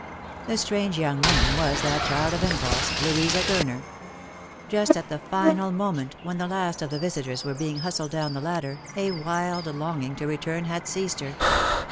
The strange young woman was that child of impulse, Louisa Gurner. Just at the final moment, when the last of the visitors was being hustled down the ladder, a wild longing to return had seized her.